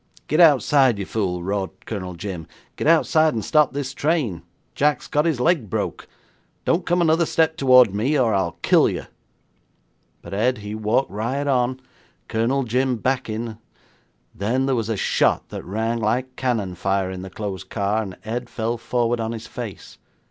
'"Get outside, you fool!" roared Colonel Jim, "get outside and stop this train. Jack has got his leg broke. Don't come another step towards me, or I'll kill you!" 'But Ed, he walked right on, Colonel Jim backing, then there was a shot that rang like cannon fire in the closed car, and Ed fell forward on his face.